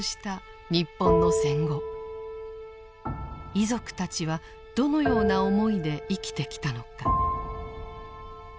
遺族たちはどのような思いで生きてきたのか。